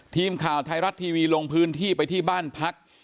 ทีมข่าวไทยรัฐทีวีลงพื้นที่ไปที่บ้านพัก